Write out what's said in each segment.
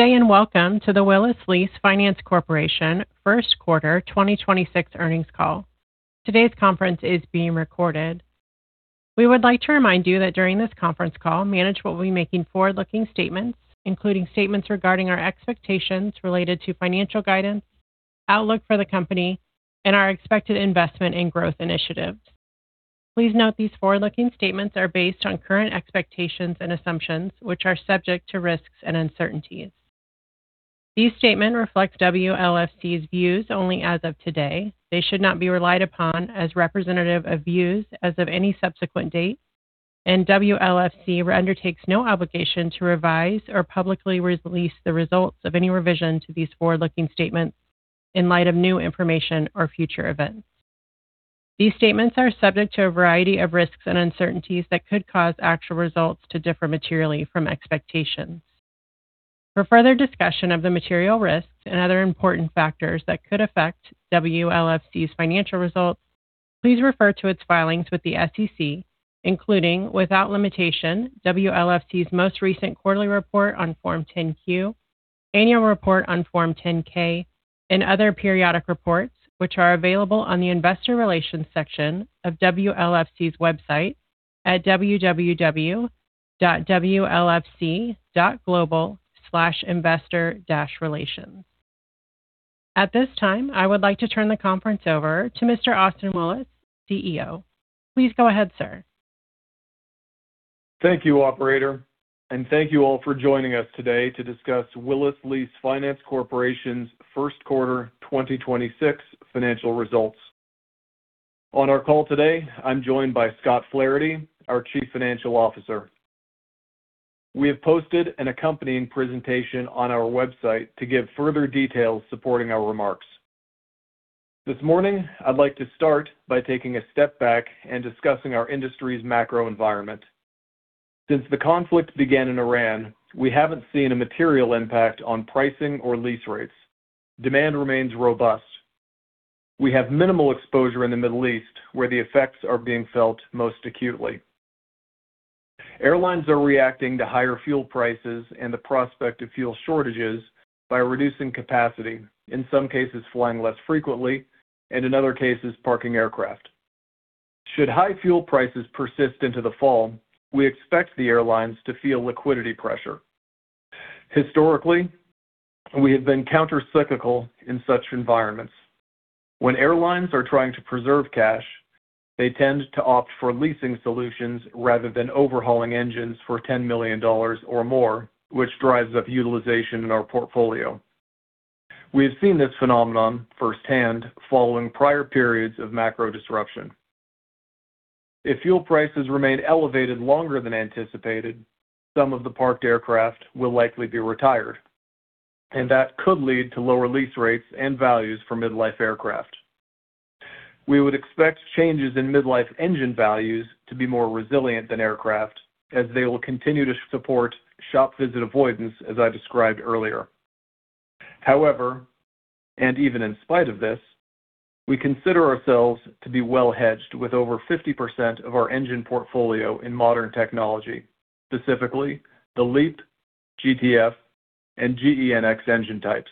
Good day. Welcome to the Willis Lease Finance Corporation First Quarter 2026 earnings call. Today's conference is being recorded. We would like to remind you that during this conference call, management will be making forward-looking statements, including statements regarding our expectations related to financial guidance, outlook for the company, and our expected investment and growth initiatives. Please note these forward-looking statements are based on current expectations and assumptions, which are subject to risks and uncertainties. These statements reflect WLFC's views only as of today. They should not be relied upon as representative of views as of any subsequent date, and WLFC undertakes no obligation to revise or publicly release the results of any revision to these forward-looking statements in light of new information or future events. These statements are subject to a variety of risks and uncertainties that could cause actual results to differ materially from expectations. For further discussion of the material risks and other important factors that could affect WLFC's financial results, please refer to its filings with the SEC, including, without limitation, WLFC's most recent quarterly report on Form 10-Q, annual report on Form 10-K, and other periodic reports, which are available on the investor relations section of WLFC's website at www.wlfc.global/investor-relations. At this time, I would like to turn the conference over to Mr. Austin Willis, CEO. Please go ahead, sir. Thank you, operator, thank you all for joining us today to discuss Willis Lease Finance Corporation's 1st quarter 2026 financial results. On our call today, I'm joined by Scott Flaherty, our Chief Financial Officer. We have posted an accompanying presentation on our website to give further details supporting our remarks. This morning, I'd like to start by taking a step back and discussing our industry's macro environment. Since the conflict began in Iran, we haven't seen a material impact on pricing or lease rates. Demand remains robust. We have minimal exposure in the Middle East, where the effects are being felt most acutely. Airlines are reacting to higher fuel prices and the prospect of fuel shortages by reducing capacity, in some cases, flying less frequently, and in other cases, parking aircraft. Should high fuel prices persist into the fall, we expect the airlines to feel liquidity pressure. Historically, we have been counter-cyclical in such environments. When airlines are trying to preserve cash, they tend to opt for leasing solutions rather than overhauling engines for $10 million or more, which drives up utilization in our portfolio. We have seen this phenomenon firsthand following prior periods of macro disruption. If fuel prices remain elevated longer than anticipated, some of the parked aircraft will likely be retired, and that could lead to lower lease rates and values for mid-life aircraft. We would expect changes in mid-life engine values to be more resilient than aircraft as they will continue to support shop visit avoidance, as I described earlier. However, and even in spite of this, we consider ourselves to be well-hedged with over 50% of our engine portfolio in modern technology, specifically the LEAP, GTF, and GEnx engine types.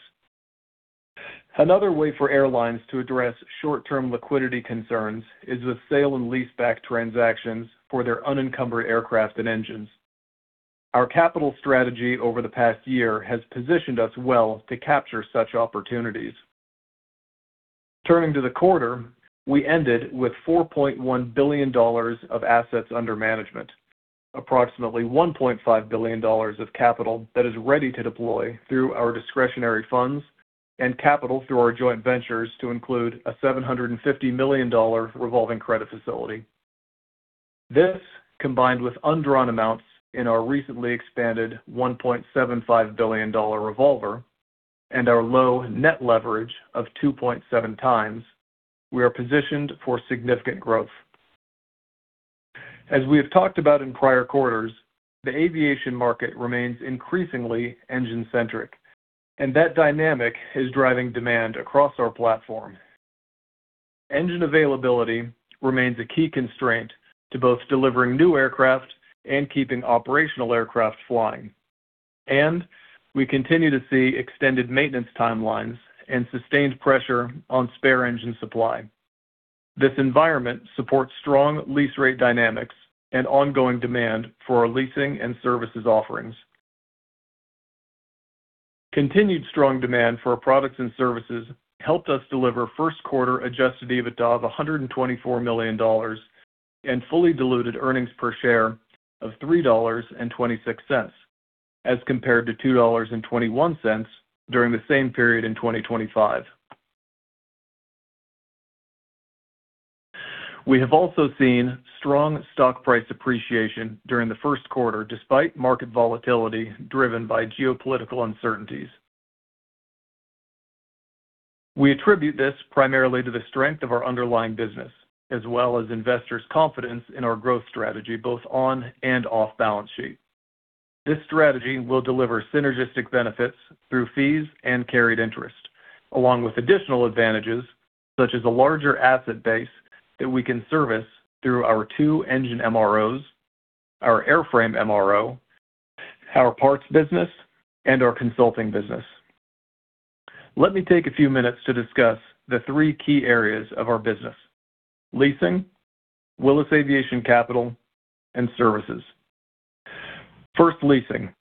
Another way for airlines to address short-term liquidity concerns is with sale and leaseback transactions for their unencumbered aircraft and engines. Our capital strategy over the past year has positioned us well to capture such opportunities. Turning to the quarter, we ended with $4.1 billion of assets under management, approximately $1.5 billion of capital that is ready to deploy through our discretionary funds and capital through our joint ventures to include a $750 million revolving credit facility. This, combined with undrawn amounts in our recently expanded $1.75 billion revolver and our low net leverage of 2.7 times, we are positioned for significant growth. As we have talked about in prior quarters, the aviation market remains increasingly engine-centric, and that dynamic is driving demand across our platform. Engine availability remains a key constraint to both delivering new aircraft and keeping operational aircraft flying. We continue to see extended maintenance timelines and sustained pressure on spare engine supply. This environment supports strong lease rate dynamics and ongoing demand for our leasing and services offerings. Continued strong demand for our products and services helped us deliver first quarter Adjusted EBITDA of $124 million and fully diluted earnings per share of $3.26 as compared to $2.21 during the same period in 2025. We have also seen strong stock price appreciation during the first quarter, despite market volatility driven by geopolitical uncertainties. We attribute this primarily to the strength of our underlying business as well as investors' confidence in our growth strategy, both on and off balance sheet. This strategy will deliver synergistic benefits through fees and carried interest. Along with additional advantages, such as a larger asset base that we can service through our two engine MROs, our airframe MRO, our parts business, and our consulting business. Let me take a few minutes to discuss the three key areas of our business, leasing, Willis Aviation Capital, and services. First, leasing.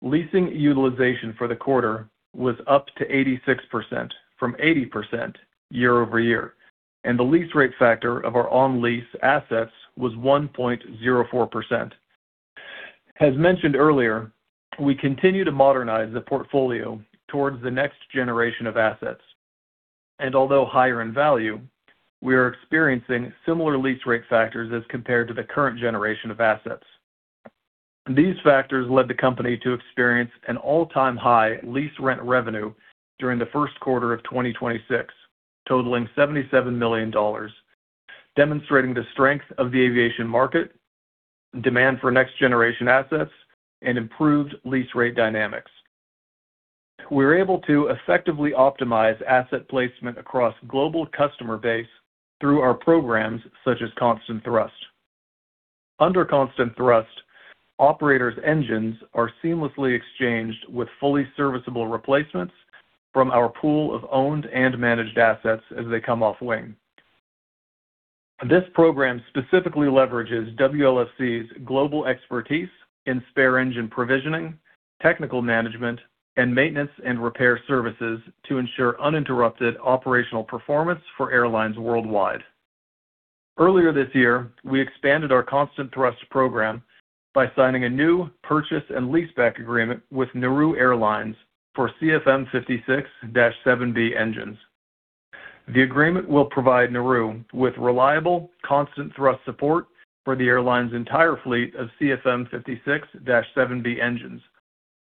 Leasing utilization for the quarter was up to 86% from 80% year-over-year, and the lease rate factor of our on-lease assets was 1.04%. As mentioned earlier, we continue to modernize the portfolio towards the next generation of assets. Although higher in value, we are experiencing similar lease rate factors as compared to the current generation of assets. These factors led the company to experience an all-time high lease rent revenue during the first quarter of 2026, totaling $77 million, demonstrating the strength of the aviation market, demand for next-generation assets, and improved lease rate dynamics. We were able to effectively optimize asset placement across global customer base through our programs such as ConstantThrust. Under ConstantThrust, operators' engines are seamlessly exchanged with fully serviceable replacements from our pool of owned and managed assets as they come off wing. This program specifically leverages WLFC's global expertise in spare engine provisioning, technical management, and maintenance and repair services to ensure uninterrupted operational performance for airlines worldwide. Earlier this year, we expanded our ConstantThrust program by signing a new purchase and leaseback agreement with Nauru Airlines for CFM56-7B engines. The agreement will provide Nauru with reliable, ConstantThrust support for the airline's entire fleet of CFM56-7B engines,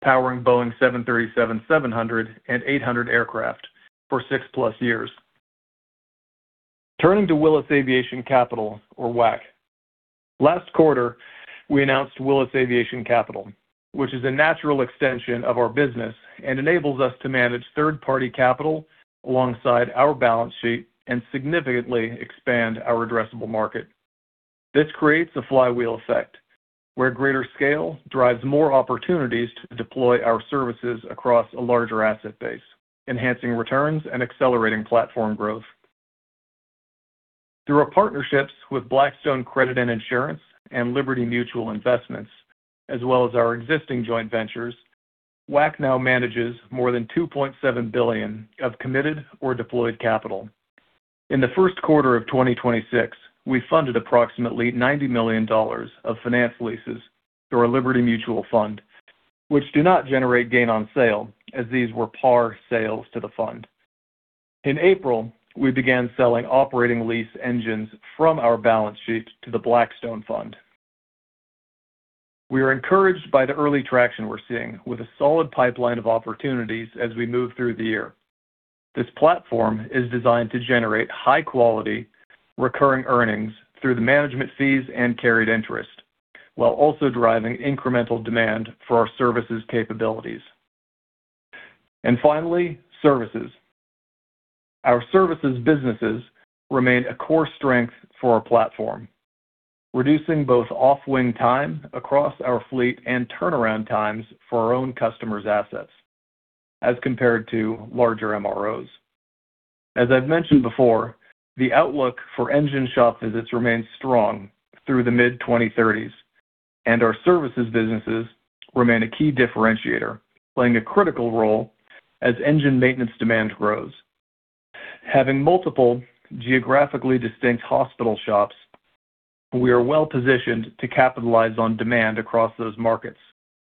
powering Boeing 737-700 and 800 aircraft for six-plus years. Turning to Willis Aviation Capital, or WAC. Last quarter, we announced Willis Aviation Capital, which is a natural extension of our business and enables us to manage third-party capital alongside our balance sheet and significantly expand our addressable market. This creates a flywheel effect, where greater scale drives more opportunities to deploy our services across a larger asset base, enhancing returns and accelerating platform growth. Through our partnerships with Blackstone Credit & Insurance and Liberty Mutual Investments, as well as our existing joint ventures, WAC now manages more than $2.7 billion of committed or deployed capital. In the first quarter of 2026, we funded approximately $90 million of finance leases through our Liberty Mutual fund, which do not generate gain on sale, as these were par sales to the fund. In April, we began selling operating lease engines from our balance sheet to the Blackstone fund. We are encouraged by the early traction we're seeing with a solid pipeline of opportunities as we move through the year. This platform is designed to generate high-quality recurring earnings through the management fees and carried interest, while also driving incremental demand for our services capabilities. Finally, services. Our services businesses remain a core strength for our platform, reducing both off-wing time across our fleet and turnaround times for our own customers' assets, as compared to larger MROs. As I've mentioned before, the outlook for engine shop visits remains strong through the mid-2030s, and our services businesses remain a key differentiator, playing a critical role as engine maintenance demand grows. Having multiple geographically distinct hospital shops, we are well-positioned to capitalize on demand across those markets,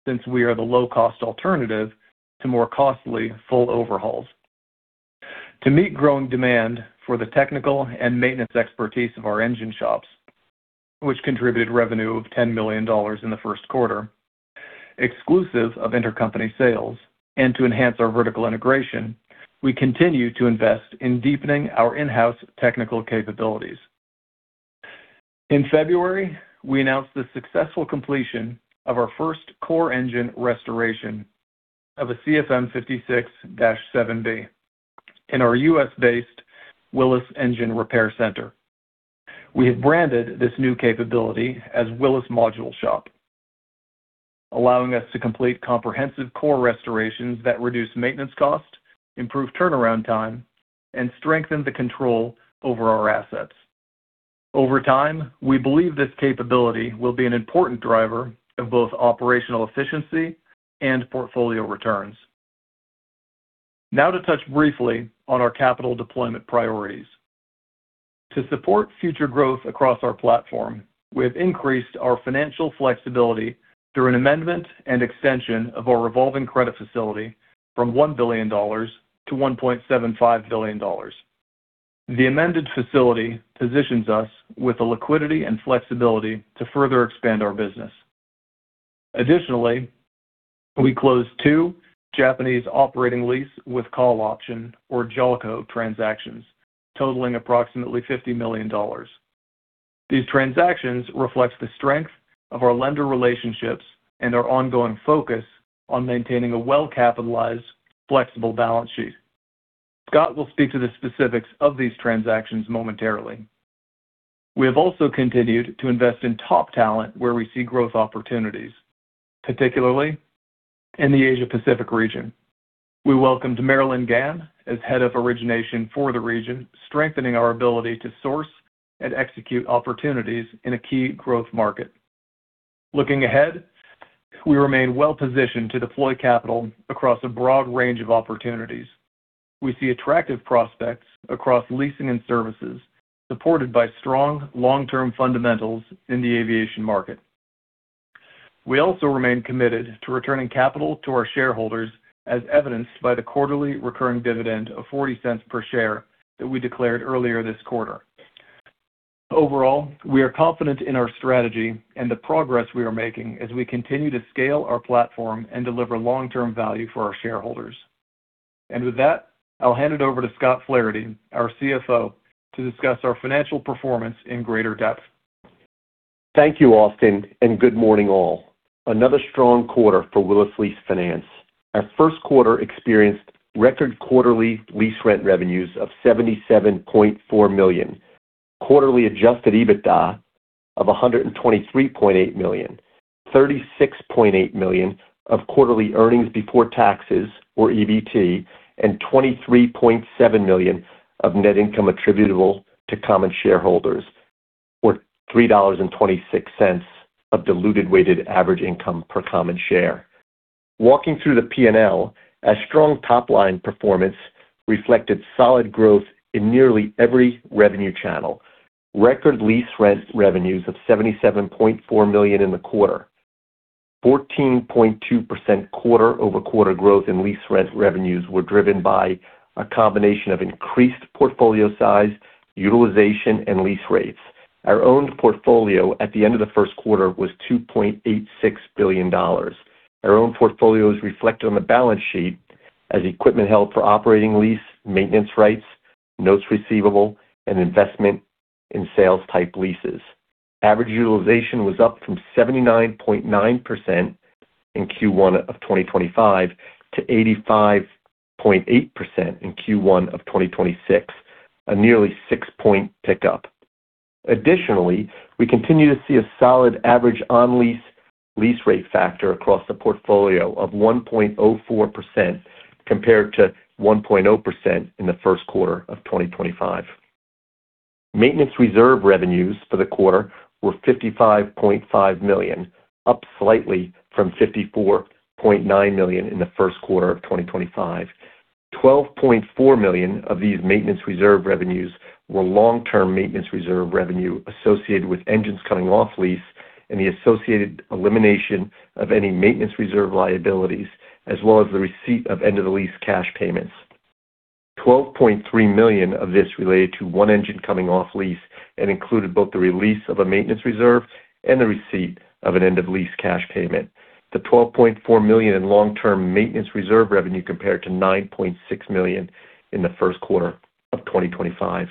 since we are the low-cost alternative to more costly full overhauls. To meet growing demand for the technical and maintenance expertise of our engine shops, which contributed revenue of $10 million in the first quarter, exclusive of intercompany sales, and to enhance our vertical integration, we continue to invest in deepening our in-house technical capabilities. In February, we announced the successful completion of our first core engine restoration of a CFM56-7B in our U.S.-based Willis Engine Repair Center. We have branded this new capability as Willis Module Shop, allowing us to complete comprehensive core restorations that reduce maintenance costs, improve turnaround time, and strengthen the control over our assets. Over time, we believe this capability will be an important driver of both operational efficiency and portfolio returns. Now to touch briefly on our capital deployment priorities. To support future growth across our platform, we have increased our financial flexibility through an amendment and extension of our revolving credit facility from $1 billion-$1.75 billion. The amended facility positions us with the liquidity and flexibility to further expand our business. Additionally, we closed two Japanese Operating Lease with Call Option, or JOLCO transactions, totaling approximately $50 million. These transactions reflect the strength of our lender relationships and our ongoing focus on maintaining a well-capitalized, flexible balance sheet. Scott will speak to the specifics of these transactions momentarily. We have also continued to invest in top talent where we see growth opportunities, particularly in the Asia Pacific region. We welcomed Marilyn Gan as Head of Origination for the region, strengthening our ability to source and execute opportunities in a key growth market. Looking ahead, we remain well-positioned to deploy capital across a broad range of opportunities. We see attractive prospects across leasing and services, supported by strong long-term fundamentals in the aviation market. We also remain committed to returning capital to our shareholders, as evidenced by the quarterly recurring dividend of $0.40 per share that we declared earlier this quarter. Overall, we are confident in our strategy and the progress we are making as we continue to scale our platform and deliver long-term value for our shareholders. With that, I'll hand it over to Scott Flaherty, our CFO, to discuss our financial performance in greater depth. Thank you, Austin, and good morning all. Another strong quarter for Willis Lease Finance. Our first quarter experienced record quarterly lease rent revenues of $77.4 million, quarterly Adjusted EBITDA of $123.8 million, $36.8 million of quarterly earnings before taxes, or EBT, and $23.7 million of net income attributable to common shareholders, or $3.26 of diluted weighted average income per common share. Walking through the P&L, a strong top-line performance reflected solid growth in nearly every revenue channel. Record lease rent revenues of $77.4 million in the quarter. 14.2% quarter-over-quarter growth in lease rent revenues were driven by a combination of increased portfolio size, utilization, and lease rates. Our owned portfolio at the end of the first quarter was $2.86 billion. Our owned portfolio is reflected on the balance sheet as equipment held for operating lease, maintenance rights, notes receivable, and investment in sales-type leases. Average utilization was up from 79.9% in Q1 of 2025 to 85.8% in Q1 of 2026, a nearly six-point pickup. Additionally, we continue to see a solid average on-lease lease rate factor across the portfolio of 1.04% compared to 1.0% in the first quarter of 2025. Maintenance reserve revenues for the quarter were $55.5 million, up slightly from $54.9 million in the first quarter of 2025. $12.4 million of these maintenance reserve revenues were long-term maintenance reserve revenue associated with engines coming off lease and the associated elimination of any maintenance reserve liabilities, as well as the receipt of end-of-the-lease cash payments. $12.3 million of this related to one engine coming off lease and included both the release of a maintenance reserve and the receipt of an end-of-lease cash payment. The $12.4 million in long-term maintenance reserve revenue compared to $9.6 million in the first quarter of 2025.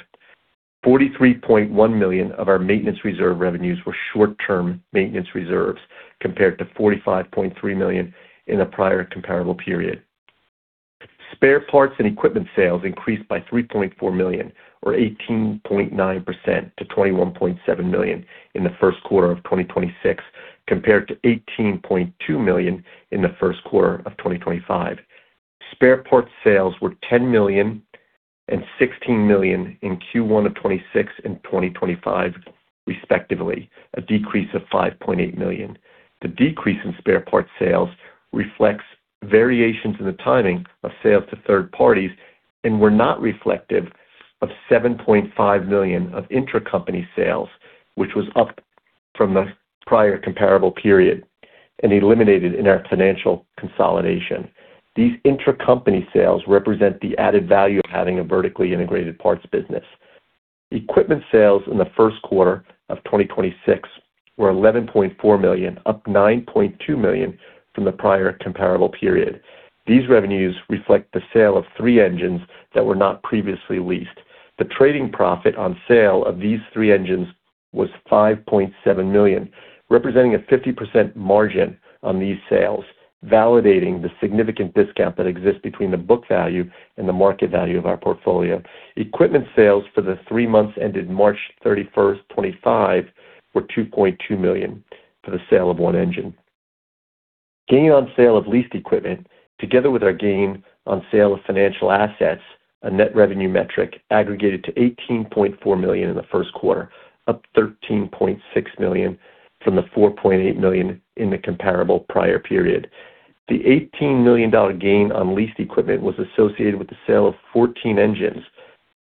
$43.1 million of our maintenance reserve revenues were short-term maintenance reserves compared to $45.3 million in the prior comparable period. Spare parts and equipment sales increased by $3.4 million or 18.9% to $21.7 million in the first quarter of 2026 compared to $18.2 million in the first quarter of 2025. Spare parts sales were $10 million and $16 million in Q1 of 2026 and 2025 respectively, a decrease of $5.8 million. The decrease in spare parts sales reflects variations in the timing of sales to third parties and were not reflective of $7.5 million of intra-company sales, which was up from the prior comparable period and eliminated in our financial consolidation. These intra-company sales represent the added value of having a vertically integrated parts business. Equipment sales in the first quarter of 2026 were $11.4 million, up $9.2 million from the prior comparable period. These revenues reflect the sale of three engines that were not previously leased. The trading profit on sale of these three engines was $5.7 million, representing a 50% margin on these sales, validating the significant discount that exists between the book value and the market value of our portfolio. Equipment sales for the three months ended March 31, 2025 were $2.2 million for the sale of one engine. Gain on sale of leased equipment, together with our gain on sale of financial assets, a net revenue metric, aggregated to $18.4 million in the first quarter, up $13.6 million from the $4.8 million in the comparable prior period. The $18 million gain on leased equipment was associated with the sale of 14 engines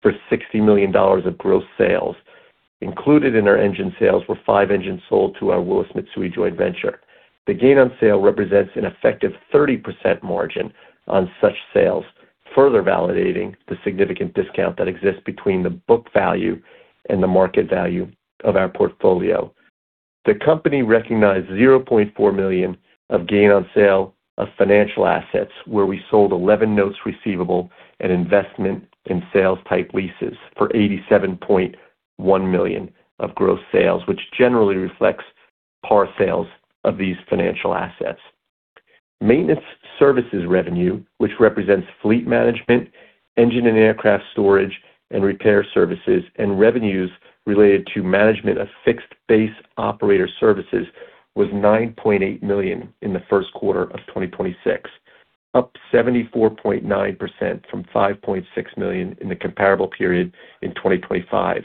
for $60 million of gross sales. Included in our engine sales were five engines sold to our Willis Mitsui joint venture. The gain on sale represents an effective 30% margin on such sales, further validating the significant discount that exists between the book value and the market value of our portfolio. The company recognized $0.4 million of gain on sale of financial assets, where we sold 11 notes receivable and investment in sales-type leases for $87.1 million of gross sales, which generally reflects par sales of these financial assets. Maintenance services revenue, which represents fleet management, engine and aircraft storage and repair services, and revenues related to management of fixed-base operator services, was $9.8 million in the first quarter of 2026, up 74.9% from $5.6 million in the comparable period in 2025.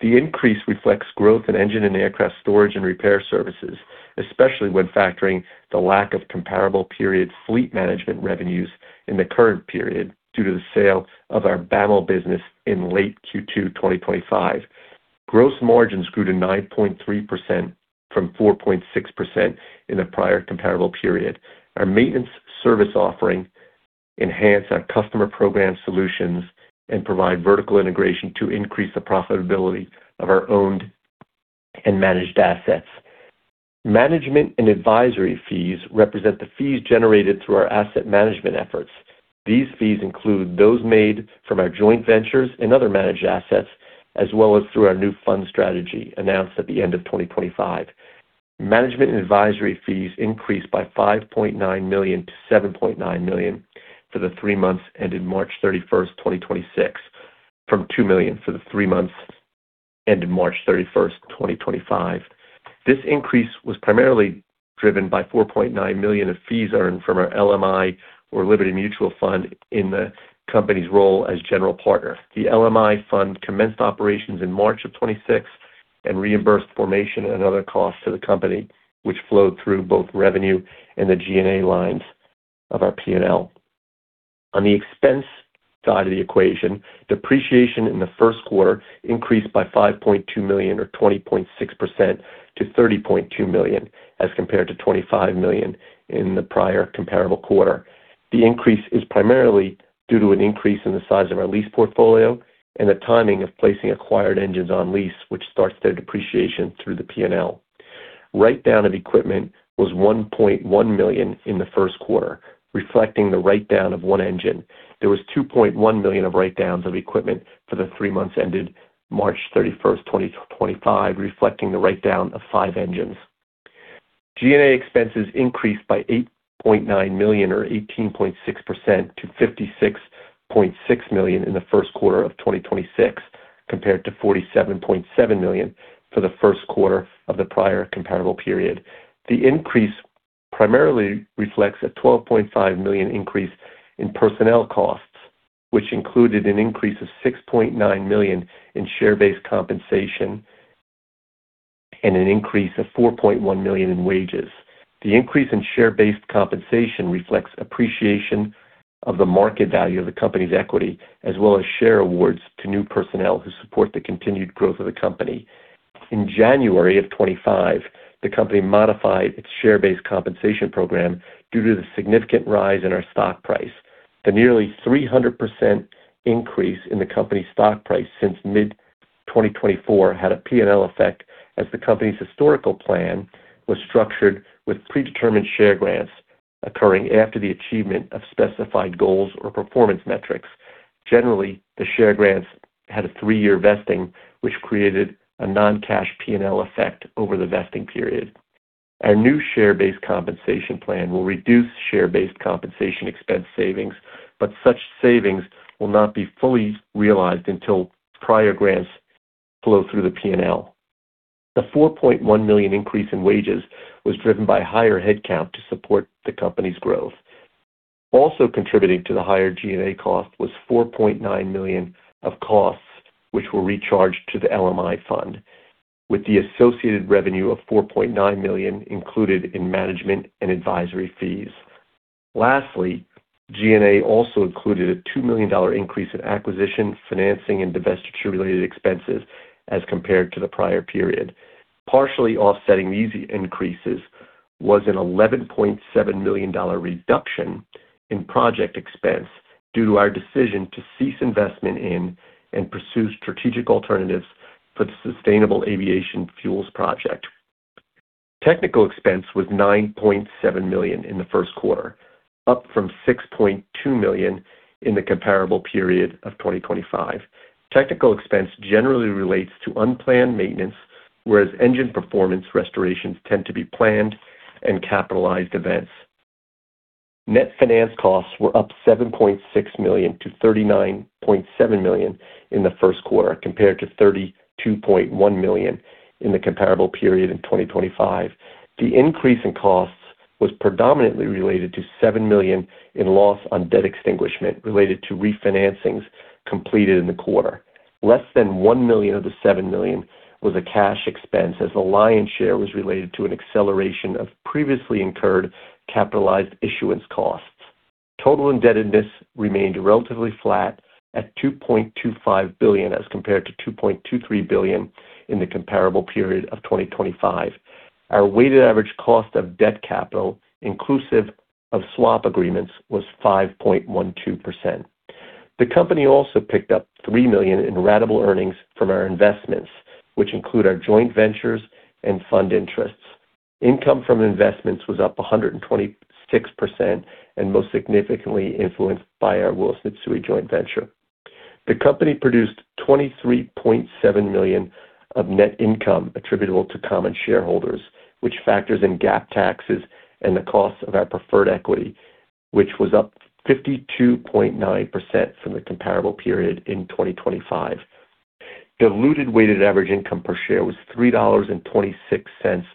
The increase reflects growth in engine and aircraft storage and repair services, especially when factoring the lack of comparable period fleet management revenues in the current period due to the sale of our BAMO business in late Q2 2025. Gross margins grew to 9.3% from 4.6% in the prior comparable period. Our maintenance service offering enhance our customer program solutions and provide vertical integration to increase the profitability of our owned and managed assets. Management and advisory fees represent the fees generated through our asset management efforts. These fees include those made from our joint ventures and other managed assets, as well as through our new fund strategy announced at the end of 2025. Management and advisory fees increased by $5.9 million-$7.9 million for the three months ended March 31, 2026, from $2 million for the three months ended March 31, 2025. This increase was primarily driven by $4.9 million of fees earned from our LMI or Liberty Mutual Investments in the company's role as general partner. The LMI fund commenced operations in March of 2026 and reimbursed formation and other costs to the company, which flowed through both revenue and the G&A lines of our P&L. On the expense side of the equation, depreciation in the first quarter increased by $5.2 million or 20.6% to $30.2 million as compared to $25 million in the prior comparable quarter. The increase is primarily due to an increase in the size of our lease portfolio and the timing of placing acquired engines on lease, which starts their depreciation through the P&L. Write-down of equipment was $1.1 million in the first quarter, reflecting the write-down of one engine. There was $2.1 million of write-downs of equipment for the three months ended March 31, 2025, reflecting the write-down of five engines. G&A expenses increased by $8.9 million or 18.6% to $56.6 million in the first quarter of 2026, compared to $47.7 million for the first quarter of the prior comparable period. The increase primarily reflects a $12.5 million increase in personnel costs, which included an increase of $6.9 million in share-based compensation and an increase of $4.1 million in wages. The increase in share-based compensation reflects appreciation of the market value of the company's equity, as well as share awards to new personnel who support the continued growth of the company. In January of 2025, the company modified its share-based compensation program due to the significant rise in our stock price. The nearly 300% increase in the company's stock price since mid-2024 had a P&L effect as the company's historical plan was structured with predetermined share grants occurring after the achievement of specified goals or performance metrics. Generally, the share grants had a three-year vesting, which created a non-cash P&L effect over the vesting period. Our new share-based compensation plan will reduce share-based compensation expense savings, but such savings will not be fully realized until prior grants flow through the P&L. The $4.1 million increase in wages was driven by higher headcount to support the company's growth. Contributing to the higher G&A cost was $4.9 million of costs which were recharged to the LMI fund, with the associated revenue of $4.9 million included in management and advisory fees. Lastly, G&A also included a $2 million increase in acquisition, financing, and divestiture-related expenses as compared to the prior period. Partially offsetting these increases was an $11.7 million reduction in project expense due to our decision to cease investment in and pursue strategic alternatives for the Sustainable Aviation Fuels project. Technical expense was $9.7 million in the first quarter, up from $6.2 million in the comparable period of 2025. Technical expense generally relates to unplanned maintenance, whereas engine performance restorations tend to be planned and capitalized events. Net finance costs were up $7.6 million to $39.7 million in the first quarter, compared to $32.1 million in the comparable period in 2025. The increase in costs was predominantly related to $7 million in loss on debt extinguishment related to refinancings completed in the quarter. Less than $1 million of the $7 million was a cash expense, as the lion's share was related to an acceleration of previously incurred capitalized issuance costs. Total indebtedness remained relatively flat at $2.25 billion as compared to $2.23 billion in the comparable period of 2025. Our weighted average cost of debt capital, inclusive of swap agreements, was 5.12%. The company also picked up $3 million in ratable earnings from our investments, which include our joint ventures and fund interests. Income from investments was up 126% and most significantly influenced by our Willis Mitsui joint venture. The company produced $23.7 million of net income attributable to common shareholders, which factors in GAAP taxes and the cost of our preferred equity, which was up 52.9% from the comparable period in 2025. Diluted weighted average income per share was $3.26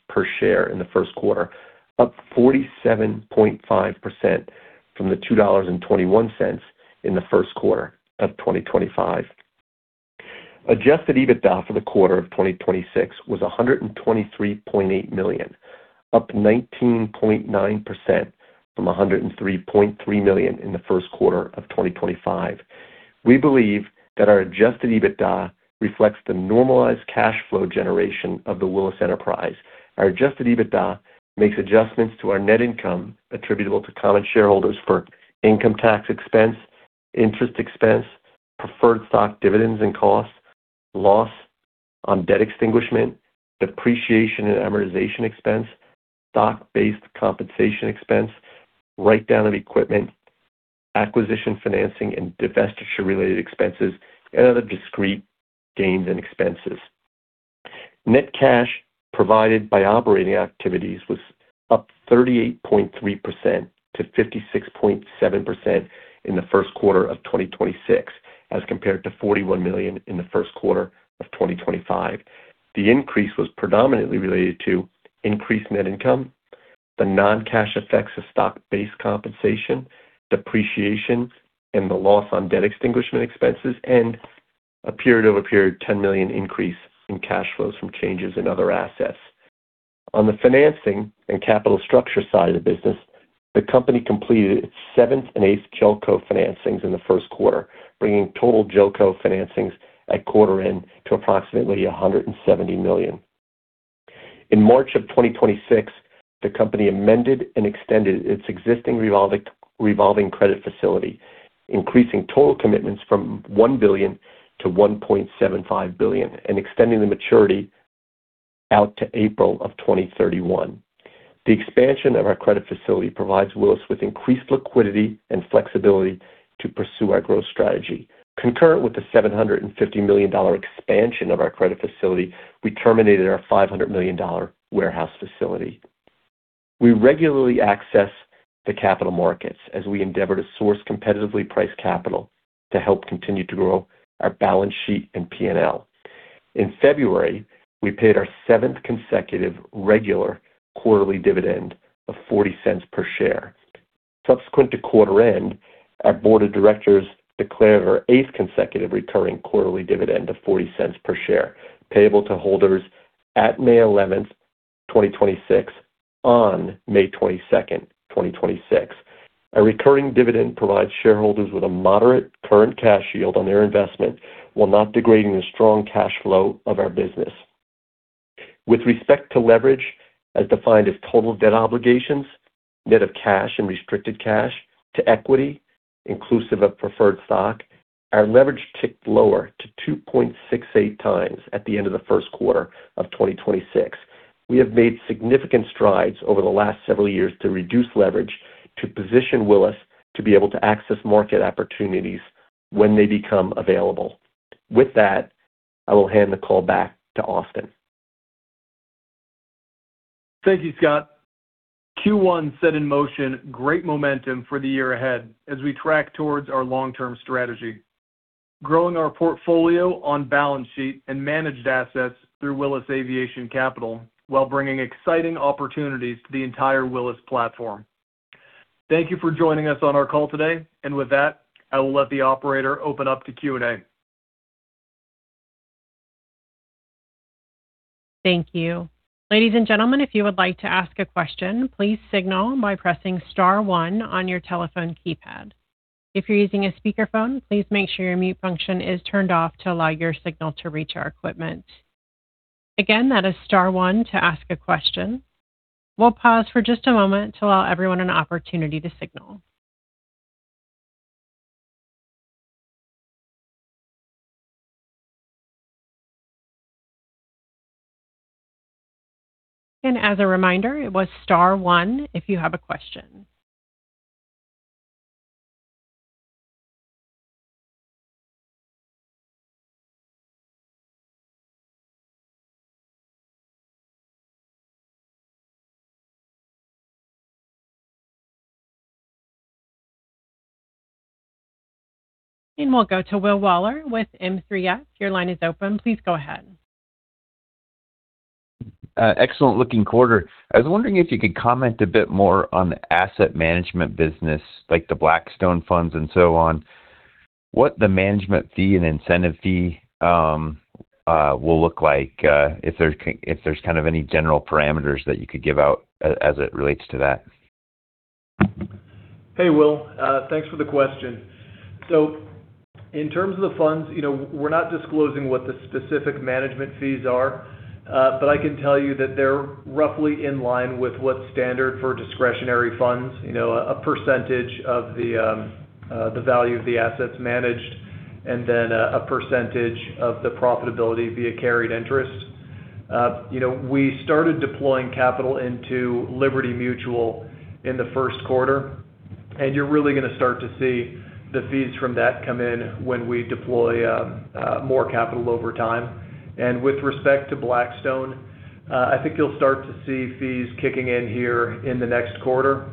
per share in the first quarter, up 47.5% from the $2.21 in the first quarter of 2025. Adjusted EBITDA for the quarter of 2026 was $123.8 million, up 19.9% from $103.3 million in the first quarter of 2025. We believe that our Adjusted EBITDA reflects the normalized cash flow generation of the Willis enterprise. Our Adjusted EBITDA makes adjustments to our net income attributable to common shareholders for income tax expense, interest expense, preferred stock dividends and costs, loss on debt extinguishment, depreciation and amortization expense, stock-based compensation expense, write-down of equipment, acquisition, financing, and divestiture-related expenses, and other discrete gains and expenses. Net cash provided by operating activities was up 38.3%-56.7% in the first quarter of 2026 as compared to $41 million in the first quarter of 2025. The increase was predominantly related to increased net income, the non-cash effects of stock-based compensation, depreciation, and the loss on debt extinguishment expenses, and a period-over-period $10 million increase in cash flows from changes in other assets. On the financing and capital structure side of the business, the company completed its 7th and 8th JOLCO financings in the first quarter, bringing total JOLCO financings at quarter end to approximately $170 million. In March of 2026, the company amended and extended its existing revolving credit facility, increasing total commitments from $1 billion-$1.75 billion and extending the maturity out to April of 2031. The expansion of our credit facility provides Willis with increased liquidity and flexibility to pursue our growth strategy. Concurrent with the $750 million expansion of our credit facility, we terminated our $500 million warehouse facility. We regularly access the capital markets as we endeavor to source competitively priced capital to help continue to grow our balance sheet and P&L. In February, we paid our seventh consecutive regular quarterly dividend of $0.40 per share. Subsequent to quarter end, our board of directors declared our eighth consecutive recurring quarterly dividend of $0.40 per share, payable to holders at May 11, 2026 on May 22, 2026. Our recurring dividend provides shareholders with a moderate current cash yield on their investment while not degrading the strong cash flow of our business. With respect to leverage, as defined as total debt obligations, net of cash and restricted cash to equity, inclusive of preferred stock, our leverage ticked lower to 2.68 times at the end of the first quarter of 2026. We have made significant strides over the last several years to reduce leverage to position Willis to be able to access market opportunities when they become available. With that, I will hand the call back to Austin. Thank you, Scott. Q1 set in motion great momentum for the year ahead as we track towards our long-term strategy, growing our portfolio on balance sheet and managed assets through Willis Aviation Capital while bringing exciting opportunities to the entire Willis platform. Thank you for joining us on our call today. With that, I will let the operator open up to Q&A. Thank you. Ladies and gentlemen, if you would like to ask a question, please signal by pressing star one on your telephone keypad. If you're using a speakerphone, please make sure your mute function is turned off to allow your signal to reach our equipment. Again, that is star one to ask a question. We'll pause for just a moment to allow everyone an opportunity to signal. As a reminder, it was star one if you have a question. We'll go to William Waller with M3F. Your line is open. Please go ahead. Excellent-looking quarter. I was wondering if you could comment a bit more on the asset management business, like the Blackstone funds and so on, what the management fee and incentive fee will look like, if there's kind of any general parameters that you could give out as it relates to that. Hey, Will. Thanks for the question. In terms of the funds, you know, we're not disclosing what the specific management fees are, but I can tell you that they're roughly in line with what's standard for discretionary funds. You know, a percentage of the value of the assets managed and then a percentage of the profitability via carried interest. You know, we started deploying capital into Liberty Mutual in the first quarter, you're really gonna start to see the fees from that come in when we deploy more capital over time. With respect to Blackstone, I think you'll start to see fees kicking in here in the next quarter.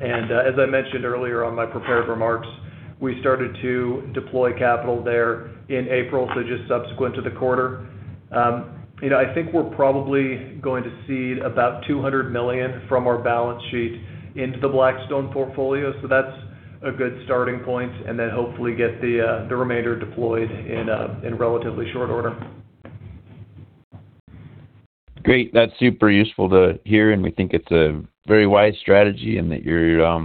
As I mentioned earlier on my prepared remarks, we started to deploy capital there in April, just subsequent to the quarter. You know, I think we're probably going to seed about $200 million from our balance sheet into the Blackstone portfolio, so that's a good starting point, and then hopefully get the remainder deployed in relatively short order. Great. That's super useful to hear. We think it's a very wise strategy and that you're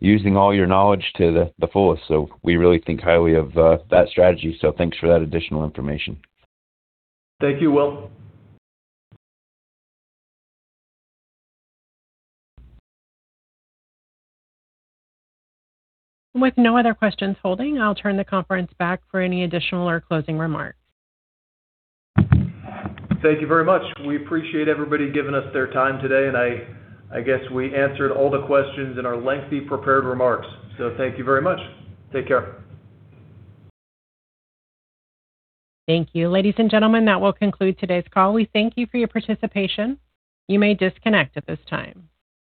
using all your knowledge to the fullest. We really think highly of that strategy. Thanks for that additional information. Thank you, Will. With no other questions holding, I'll turn the conference back for any additional or closing remarks. Thank you very much. We appreciate everybody giving us their time today, and I guess we answered all the questions in our lengthy prepared remarks. Thank you very much. Take care. Thank you. Ladies and gentlemen, that will conclude today's call. We thank you for your participation. You may disconnect at this time.